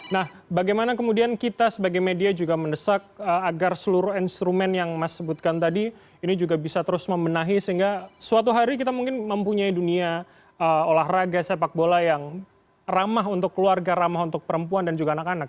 nah bagaimana kemudian kita sebagai media juga mendesak agar seluruh instrumen yang mas sebutkan tadi ini juga bisa terus membenahi sehingga suatu hari kita mungkin mempunyai dunia olahraga sepak bola yang ramah untuk keluarga ramah untuk perempuan dan juga anak anak